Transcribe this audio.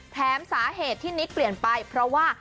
สาเหตุที่นิกเปลี่ยนไปเพราะว่า